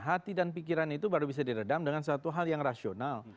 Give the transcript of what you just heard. hati dan pikiran itu baru bisa diredam dengan satu hal yang rasional